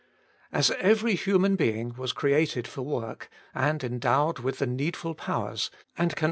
As every human being was created for worJc, and endowed with the needful powers, and, , can